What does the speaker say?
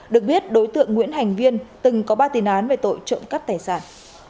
được biết đối tượng nguyễn hành viên từng có ba tin án về tội trộm cắt tài sản